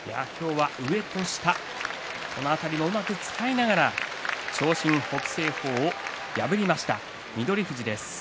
今日は上と下この辺りをうまく使いながら長身、北青鵬を破りました。